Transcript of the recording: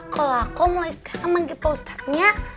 kalau aku mulai sekarang manggil pak ustadznya